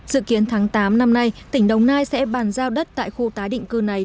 dự kiến tháng tám năm nay tỉnh đồng nai sẽ bàn giao đất tại khu tái định cư này